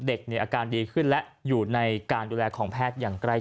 อาการดีขึ้นและอยู่ในการดูแลของแพทย์อย่างใกล้